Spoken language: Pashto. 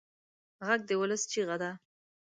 غږ د ولس چیغه ده